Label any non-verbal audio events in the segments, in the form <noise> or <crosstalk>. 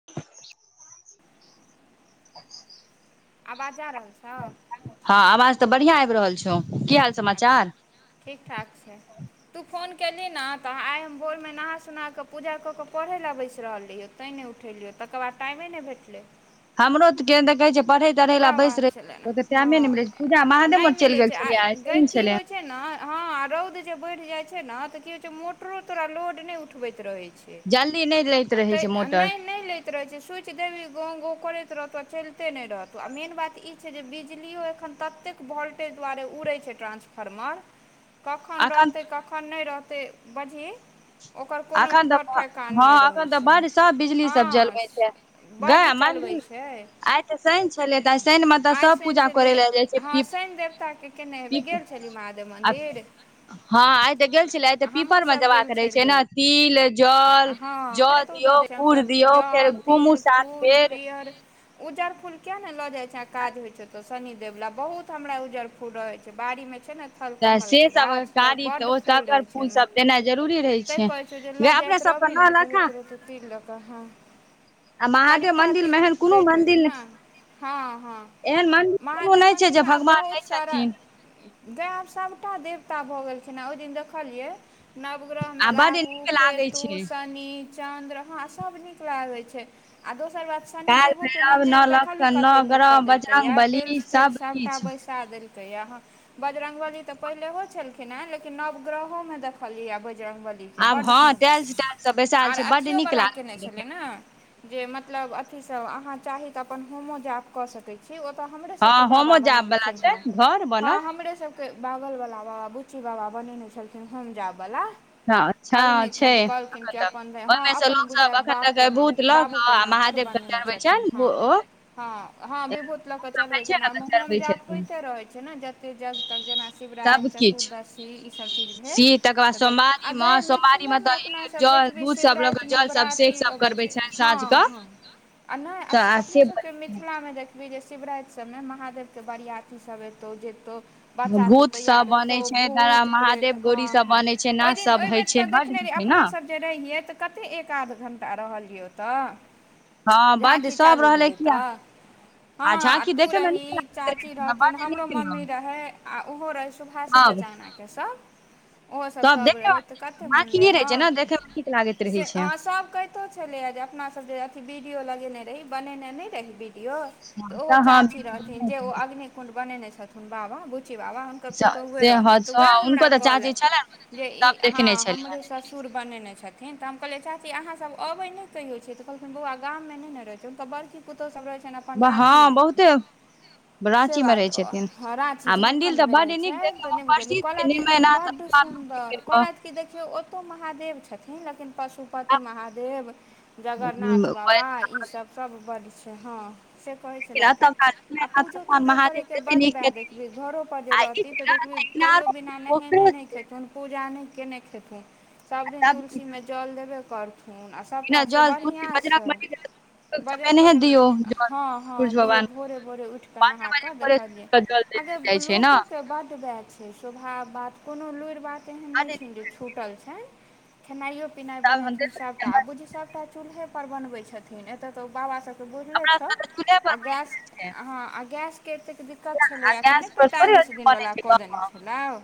<inaudible> आवाज जा रहल छऽ। हाँ आवाज तऽ बढ़िआँ आबि रहल छौ की हाल समाचार। ठीक ठाक। तू फोन केलही न तऽ आइ हम भोरमे नहा सुना कऽ पूजा कऽ कऽ पढ़ैय लए बैस रहल रहिये। तैं नहि उठेलियौ तकर बाद टाइमे नहि भेटलै। हमरो ओते के छैय। पढ़ै तढ़ै लए बैस रहे ओहिके टाइमे नहि मिलै छैय पूजा महादेवमठ चलि गेल छलियै आइ शनि छलै। छैय न हँ रौद जे बढ़ि जाय छैय न तऽ की होइ छैय मोटरो तोरा लोड नहि उठबैत रहय छैय। जल्दी नै लैत रहैत छैय मोटर। रहै छैय स्विच देबही गाँव गाँव करैत रहतौ आ चलिते नहि रहतौ। मेन बात ई छैय जे बिजलियो एखन ततेक वोल्टेज दुआरे उड़ै छैय ट्रान्सफार्मर। <inaudible> कखन रहतै कखन नही रहतै बजही। एखन तऽ हँ एखन तऽ बड़ सभ बिजली सब जलबै छैय। बड्ड चलबै छैय। शनि छलै तऽ शनि म तऽ सब पूजा करै लए जाइ छैय पी पी चली महादेव मन्दिर। हँ आइ तऽ गेल छलै आइ त पीपर मे देबाक रहे छैय न। तिल जल जऽ दियौ गुड़ दियौ फेर घूमू सात बेर। <inaudible> उजड़ फूल किये नहि लऽ जाइ छैय काज होइ छौ तऽ शनि देव ला बहुत हमरा उजड़ फूल रहै छैय बाड़ीमे छैय ने। तऽ सेसभ कारी तऽ ओ डगर फूलसभ देनाइ जरूरी रहैत छैय। त जे लऽ जाइत रहबै ने तऽ होइत रहतै तिल लऽ कऽ हँ। आ महादेव मंन्दिरमे एहन कोनो मंन्दिर हँ हँ, महादेव मन्दिरमे आब बहुत सारा गायब सभटा देवता भऽ गेलखिन हे, ओहि दिन देखलियै नवग्रह मे राहु केतु के छियै? अगनि चन्द्र हाँ सब निक लागै छै आ दोसर बात काल भैरव, नौ लखन, नौ ग्रह, बजरंगबलि, सबकिछ हटा देलकै यहाँ बजरंगबली तऽ पहिलेहो छलखिन हेँ लेकिन नवग्रहो मे देखलियै बजरंगबली। ठीक छै, बड सुन्दर आर अथियोवला केने छलै ने? जे मतलब अथि सब, अहाँ चाही तऽ अपन होमो जाप कऽ सकैत छी। छै, ओतऽ हमरे सबके बाबा बनेलखिन हेँ, हँ हमरे सब के बागल बला बाबा, बुच्ची बाबा बनेने छलखिन होम जाप बला जा, अच्छा आज हँ त कहलखिन कि अपन नइ हँ अपन बुढ़िया के बापके नाम बाबूके नामपर बनेले बेचन, ओ ओ हँ हँ विभूत लऽ के चलबै, जेना होम जाप होयते रहै छैय ने जतेक जल तक जेना शिवराति, चतुर्दशी ई सभ चीज भेल तऽ भेल अगर ई मतलब ई जल दूध सब लऽ के जल सब से सब करबय छनि साँझ के आ नै अपने सबके मिथिला मे मे देखबही जे शिवराति सभमे महादेव के बरियाती सभ एतौ जेतौ भूत सब बनय छैय, बड़ा महादेव, गौरी सब बनय छैय, नाच सब होय छैय से बड भेलै ना जे रहियै तऽ कते एक आध घण्टा रहलियै ओतऽ। हँ बड सब रहलै किया हँ आ तु रही, चाची रहथिन, हमरो मम्मी रहय आ उहो रहै सुभाषो चचा अंगना के सब उहो सब सब रहै कत्ते मुनलै हँ से अहाँ सब कहि कतऽ छलै जे अपना सब जे अथि वीडियो लगेने रही बनेने नहि रही वीडियो तऽ ओहो चाची रहथिन जे ओ अग्निकुण्ड बनेने छथिन्ह बाबा बुच्ची बाबा हुनकर पुतहुये रहथिन तऽ हं हमरा कहलैथ जे इ हाँ हमरे ससुर बनेने छथिन्ह त हम कहलियै चाची अहाँ सब अबै नै कहियो छियै त कहलथिन बौआ गाम मे नहि ने रहे त हुनकर बड़की पुतहु सभ रहै छनि अपन राँची मे। राँची मे रहैय छथिन्ह आ मंडिल तऽ बड्ड नीक देख ओ प्रसिद्ध निमयलात ह न कप <unintelligible> ई देखियौ ओतौ महादेव छथिन्ह लेकिन पशु पति महादेव, जगरनाथ बाबा ई सभ सब बड छै हँ से कहै छलथि हेँ आ पूजो तूजो करैके बड वेय देखियै घरो पर जे रहतीह तऽ देखबी कहियो बिना नहेने नहि खेथुन्ह। बिना नहि केने खेथिन्ह, सब दिन तुलसी मे जल देबे करथुन। बिना जल फूल के बजरंग बली के त बजरंगबलीमे हँ हँ दियौ भोरे भोरे उठि कऽ नहाकऽ देखलियै अगर लोको के बड बैय छै सुभाव बात कोनो लुरि बाँकी एहेन नहि छनि जे छूटल छनि। खेनाइयो पिनाय बनेथिन सभटा, बुझि सभटा चूल्हेपर बनबै छथिन्ह एतऽ तऽ ओ बाबा त बुझले छौ आ गैस हँ गैस के एतेक--तं दिकत छलैये एखन नै पैंतालिस दिन बला कऽ देने छलहुँ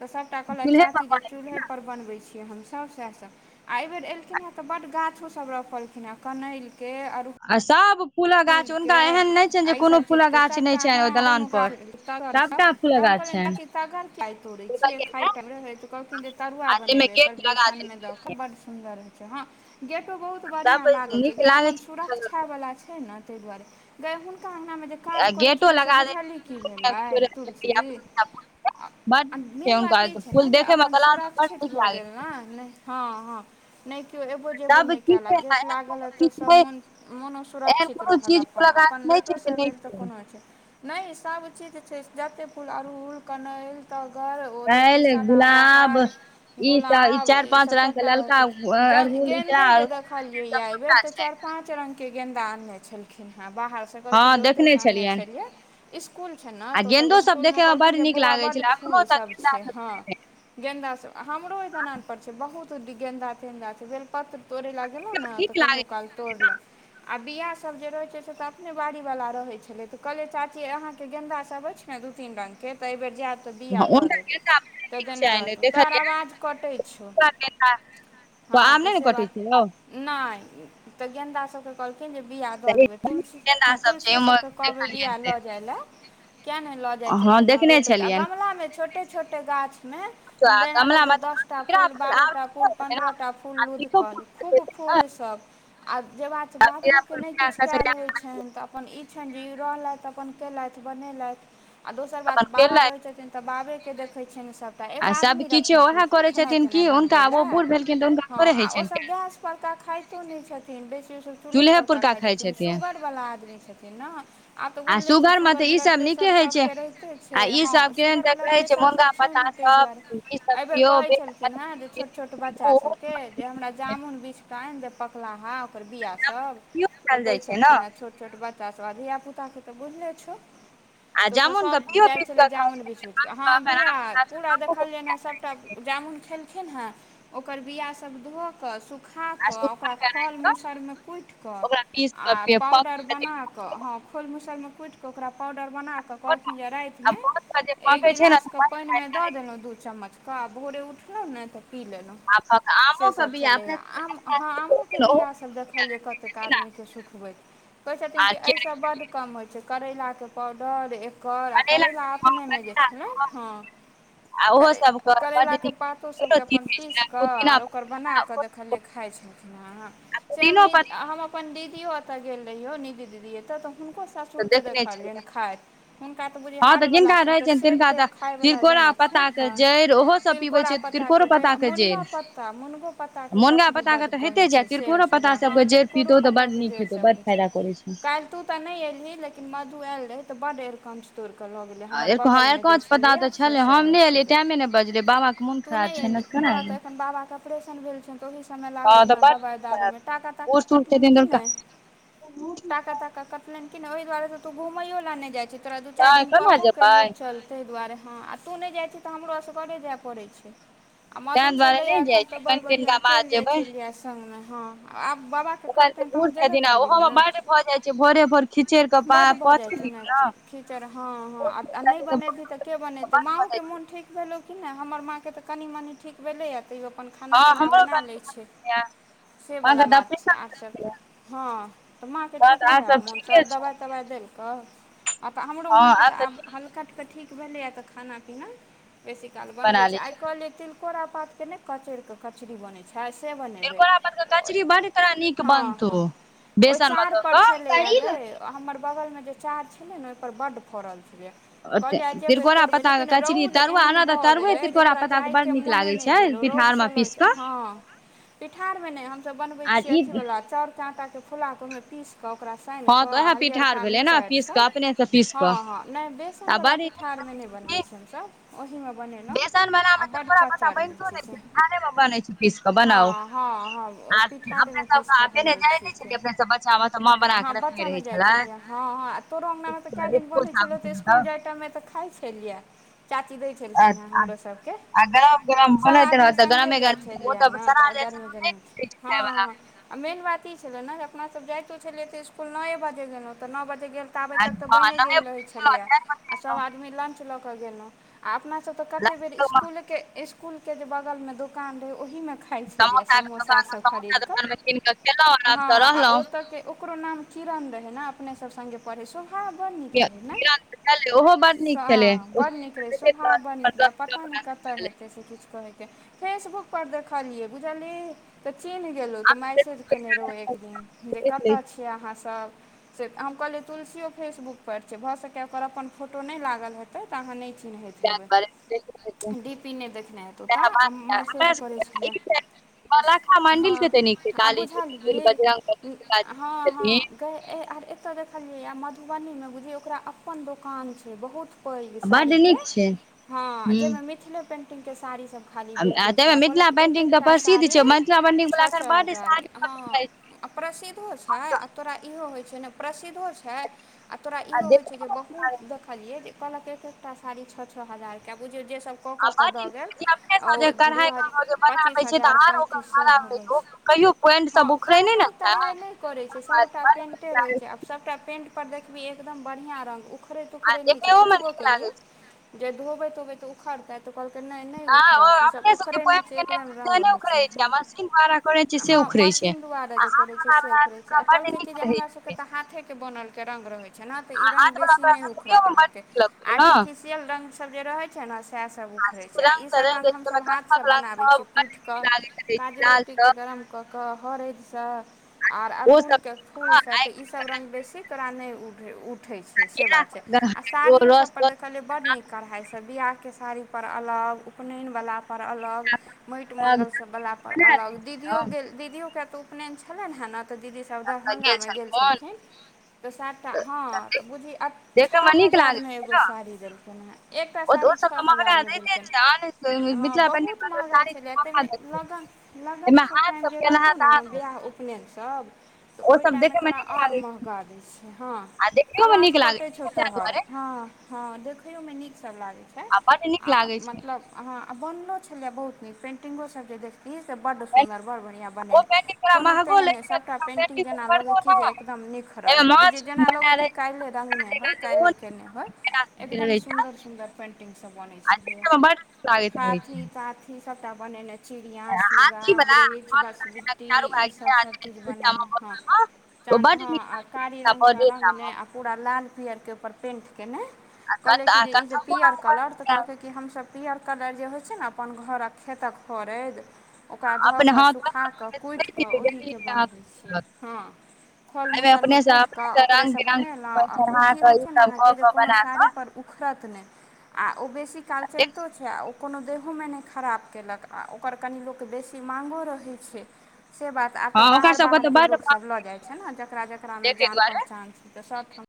तऽ सब कहलैथ चाची जे चूल्हे पर बनबै छियै हमसभ सैह सभ आ ऐ बेेर एलखिन हें ते बड गाछो सब रपखलखिन हें कनैल के अर आ सब फूलक गाछ हुनका एहन नहि छनि जे कोनो फूलक गाछ नहि छनि ओहि दलान पर सबटा तऽ हम कहलयैन काकी तगर किये तोड़ै छियै, खाइ काल रहै तऽ कहलखिन जे तरुआ बनेबै एकर बेसनमे दऽ क। ओसब बड़ सुंदर होय छैय, हँ गेटो बहुत बढ़िया लागल छैय गे अपन सुरक्षा वला छैय ने तहि दुआरे। गै हुनका अंगना मे देख काज करै छलहुँ से बुझलही की भेलै तुलसी मेन बात ई छैय ने जे अपन सुरक्षित भऽ गेल ने, नहि हँ हँ नहि केओ एबो जेबो नहि कयल, गेट लागल रहल तऽ सब मन मोनो सुरक्ष कोनो चीज के गाछ नै छै कि नै छै। नहि सब चीज छै जते फूल अड़हुल कनैल तगर ओ देखबी सदाबहार, गुलाब ई सब सबटा। रहतै गेंदे जे देखलिय या ऐ बेर त चारि पांच रंग के। के गेन्दा आनने छलखिन हेँ बाहरसँ कहलखिन जे ओतहिसँ आनने छलियै। इसकुल छैनि ने तऽ ओतऽ इसकुलमे कहलखिन जे बौआ बड्ड फूलसभ छै हँ। <unintelligible> गेन्दा सब हमरो एहिहि दलानपर छै बहुत गेन्दा तेन्दा छै बेलपत्र। तोड़ै ले गेलौ न तऽ कहियो काल तोड़लौ। सब जे रह छै से त अपने बाड़ी वाला रहे छले कह चाची अहाँ के गेंन्दा सब ने दू तीन रंग। से ते एहिबेर जायत हुनकर गंदा आब नै नीक छैन, देखलियैन पूरा गैंध त आम नहि ने कटै छैलौ। नै ते गेंन्दा सब के कहलखिन जे बिया। दऽ देबै तुलसी हँ तुलसीयो सबके बीया लऽ जाय लए, किया नै लऽ। जाइ छथिन हँ रोपैलै आ गमलामे छोटे छोटे गाछमे। जेना लगतै दस टा फूल, बारह टा फूल, पन्द्रह टा फूल, लूधकल। खूब फूल सब, आ जे बात। इयान फुल बीया खसेलियैये। छनि तऽ अपन ई छनि जे ई रहलथि अपन केलथि बनेलथि। आ दोसर बात बाबा रहै छथिन तऽ बाबेके देखै छियनि सभ। आ सब किछु ओएह करे छथिन की हुनका आबो बुढ़ भेलखिन। हँ आ ओसभ गैस पर क खाइतो नहि छथिन बेसी ओसब। चूलहे पुरका खाइ छै। सुगरवला आदमी छथिन ने आब तऽ बुझि ले छौ सुगर ब्लड प्रेशर सबके रहितै। आ ईसभ केहेन त कहैत छै मुनगा पत्तासभ सभ पीस के पियो। <unintelligible> देलखिन हन जे छोट छोट बच्चा सबके। हमरा जामुन बिछ कऽ आनि दे पकला हा ओकर बिआ सब। तऽ दै छलखिने छोट छोट बच्चासभ आ धियापुताके तऽ बुझले छौ। तऽ ओहिसँ सभ जाइत छलै जामुन बिछ बिछ उठा कऽ हँ बिया पूरा देखल जा हँ सभटा। जामुन खेलखिन हेँ ओकर बिआ सब धो कऽ सुख। खाकऽ ओकरा फल मूसलमे कुटिकऽ। आओ पाउडर बनाकऽ हँ खल मूसलमे कुट कऽ ओकरा पाउडर बना कऽ। कहलथिन जे रातिमे एक गिलासके पानिमे दऽ देलहुँ दू चम्मच। <unintelligible> आ भोरे उठलौ ने तऽ पी लेलो। से सब छेलैए आम हँ अहूँ के बियाह सब देखलियै कतेक आदमीके। कहै छथिन कि एहिसँ बड्ड कम होइ छै करैलाके पावउडर एक- कर आ करैला अपनेमे जे छलै हँ। करै करैलाके पातो सभकेँ अपन पीस कऽ आर ओकर बना कऽ देखलियै खाइ छै। हँ से हम नै हम अपन- अपन दीदिओ ओतऽ गेल रहियौ नीदी दीदी एतऽ तऽ हुनको सासुरके देखलियैन खइत। हँं तऽ जिनका रहै छैन तिनका तऽ तिलकोरा पत्ता के जइड़ ओहो तिलकोरा पत्ता के जइड़ आ मुनगा पत्ता मुनगो पत्ता के कचरी बड कहेै छै। तिलकोरा पत्ता सबके जैड़ पीतौ तऽ बड्ड नीक हेतौ बड फायदा करै छै। तू तऽ नै एलही लेकिन मधु एल रहेै त बड एरकंच तोइड़ के लगेलै। हँ एर एरकौच पत्ता तऽ छलै हम नहि एलियै टाइमे नै बचलै बाबाके मोन खराब छै ने। तोरा तऽ एखन बाबाके ऑपरेशन भेल छैन तऽ ओहि सब मे लागल हेमें दवाइ दारूमे टाका -ताका कटलैन की नै। टा। टाका -ताका कटलैन कि नै ओहि दुआरे तू घुमैयो लए नै जाइ छी तोरा दू चैर दिन कहबो केलियौ चल। तैय दुआरे हँ आ तू नै जाइ छि तऽ हमरो असगरे जाए पड़ै छै। आ मधु छेलै या एखन तऽ बड़ बढ़िआँ चैल जाइ छेलैए संगमे हँ आब बाबाके कट बूढ़ छथिन आ ओहोमे बाड भऽ जाइ छै भोरे- भोर खिचड़ कऽ पथी ने। कीचड़ हँ हँ नै बनेतै तऽ के बनेते माँओ के मोन- ठीक भेलौ की नै हमर माँ के तऽ कनी- मनी ठीक भेलैए तैयो अपन खाना -पीना बना लै छै से बला बात छै आर सब हँ तऽ माँ के ठीक भेलै मोनसभ दबाइ- तबाइ देलकौ। आ तऽ हमरो माँ के तऽ आब हल्का तऽ ठीक भेलैए तऽ खाना पीना। बेसी काल बनबै छै आइ कहलियै तिलकोरा पात के ने कचैर के कचरी बनेै छै से बना। तिलकोरा पात के कचरी बड तोरा नीक बनतौ बेसन मे दऽ कऽ। तऽ हमर बगल मे जे चार छेलै ने ओहिपर बड्ड फड़ल छेलै या। कहलियै आ जेबै तोड़बै लेकिन रौद एहन भऽ गेलै जेतोरा जायके मोने नहि भेलौ रौदसँ हँ पिठार में नैय हम सब बनबै छियै अथि बला। आ चाउरके आटाके फुला कऽ ओहिमे पीस कऽ ओकरा सैन कऽ हरियरका मिरचाईसब। हँ हँ नै बेसनवला पिठारमे नै बनबै छीयेै हम सब ओहीमे बने बेसन बलामे तिलकोरा पत्ता बैनतो नै छै पिठारे मे बनै छै पिस क बनाओ अपने <unintelligible> <unintelligible> जाइ ने छेलियै अपना सब बच्चा मे तऽ माँ बना कऽ रखने रहेै छेलेै। तोरो अंगना मे त कए दिन बनै छेलौ त स्कुल जाय टाइम मे तऽ खाय छेलियैेेए चाची देै छेखिन हेँ हमरो सबके सब आदमी संगे जाय छेलियै ने तऽ गरमे- गरमे। हँ हँ। आ मेन बात ई छेलै ने जे अपना सब जाइतो छेलै तऽ स्कुल न ए बजे गेलौ तऽ न बजे गेल ताबे तक तऽ बैनेगेल रहै छेलैआ सब आदमी लंच लऽ के गेलौ आ अपना। सब तऽ कते बेर स्कूल के स्कूल के जे बगल में जे दोकान रहेै ओही में समोसाक के दोकान समोसा दोकान मे कीन कऽ खेलौ आराम से रहलौ। ओकरो नाम किरण रहै ने अपने सब संगे पढ़ै सोह कि <unintelligible> ओहो बड़ नि हँ बड़ नीक रहै स्वभाव बड़ नीक रहै आ पता नै कतऽ हेतै। <unintelligible> फेसबुक पर देखलियेै बुझलहि तऽ चिन्ह गेलो तऽ मेैसेज कने रहौ एक दिन दिखत अछि अहाँसभ? से हम कहलियै तुलसियो फेसबुक पर छै भऽ सकै ओकर अपन फोटो नहि लागल हेते त अहां नै चिन्हिये छ ब <unintelligible> पलखा मणडिल के देनी। आ बुझ लीये हाँ-हाँ आर एतऽ देखलियै य मधुबनीमे बुझियै ओकरा अपन दोकान छै बहुत पैघ साड़ीके हां जाहिमे मिथिले पेन्टिंगके साड़ी सब ते मिथिला पेंटिंगग त प्रसिद्ध छै मिथिला पेंटिंग वला धरिबड के हाँ आ प्रसिद्धो छैय आ तोरा इहो होइ छैय ने प्रसिद्धो छै। आ तोरा इहो होइ छै, जे बहुत देखलियै जे कहलक एक एकटा साड़ी छओ-छओ हजार के बुझियौ जे सब आ अपने कढ़ाई बनाबै छै तऽ आर ओकर बनाब <unintelligible> कहियौ पोइन हाँ कढ़ाइ -तढ़ाइ नहि करैत छै, सभटा पेन्टे रहैत छै। सभटा पेंटपर देखबिही एकदम बढ़िआँ रंग उखड़ै- तउखड़ै नहि छै पुछबो केलियै। ज धोबैत उबैत तऽ उखड़तै तऽ कहलकै नहि नहि उखड़त ईसभ उखड़े नहि छै एकदम रंग होइ छै, ह। कर कर <unintelligible> हाँ मशीन द्वारे जे करै छै से करै छै आ कहलकै कि जे हमरा सभके <inaudible> केल रंग सब जे रहै छै ने से सएह सब उखड़ै छै आ ई सब रङ्ग हमसभ हाथसँ बनाबै छी, कुच क काजलोटी हरद आर अड़हुल के फूल स त ई सब रंग बेसी तोरा नहि उठ उठै छिय से बात छै, आ साड़ियो सब पर देखलियै बड्ड नीक कढ़ाइसँ बिआाहके साड़ी पर अलग उपनयन बला पर अलग मइट मंगल सब बला पर अलग, दीदीयो गेल दीदियओे तऽ उपनयन छलनि हँ ने तऽ दीदी सब दरभङ्ंगामे गेल छलखिन। तऽ सातटा हाँ तऽ बुझही आ छओ हजारमे एगो साड़ी देलखिन हँ। एकटा साड़ी छओ हजारमे देलकै, हां बहुत महँगा छलै तामे लगन लगन सभ टाइम जे रहतौ ने विआाह उपनयनसभ तऽ ओहि टाइममे तोरा आओर महँगा दै छिय हां आवाज कटै छौ तोहर हां हां हां देखैयोमे नीक सब लागैत छै आ मतलब हाँ आ बनलो छलै बहुत नीक पेंटिंगोसभ जे देखितियै से बड सुन्दर बड् बढ़िआँ बनेनाइ कोनो तेहन नहि सभटा पेन्टिंग जेना लगै कि जे एकदम नीक रहल बुझिय जेना लगै कि कालले रङ्गने होय काइले कने होइ एकदम सुन्दर सुन्दर पेंटिंग सब बनै छलै हाथी ताथ ईी सबटा बनेनेइ चिड़िया सूगा चारू भ <unintelligible> चाँद हां आ कारी रंगसँ रङ्गने आ पूरा लाल पियर के ओपर पेंटकेने कहलै कि जे ई जे पियर कलर तऽ कहलकै कि हमसभ पीअर कलर जे होइ छै ने अपन घरक खेतक फड़द ओकरा धऽ कऽ सुखा कऽ कुटि कऽ ओहिके बनबैत छियै हँ फल मूसलमे कुटिकऽ ओकरेसँ बनेलहुँ आ ओ की होइ छै ने अहाँके जे कोनो साड़ी पर उखड़त नहि आ ओ बेसी काल चलतौ से आ ओ कोनो देहोमे नहि खराब केलक आ ओकर कनी लुक बेसी सिमंगो रहै छै, से बात। आब तऽ बाहर बाहरके लोक सब लऽ जाइ छै, ने जकरा जेकरामे जान पहचान छै, तऽ सबठाम।